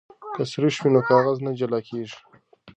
که سريښ وي نو کاغذ نه جلا کیږي.